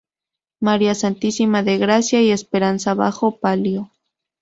María Santísima de Gracia y Esperanza bajo palio.